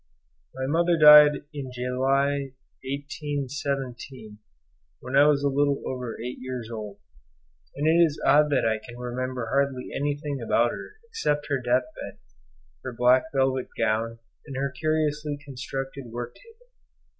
My mother died in July 1817, when I was a little over eight years old, and it is odd that I can remember hardly anything about her except her death bed, her black velvet gown, and her curiously constructed work table.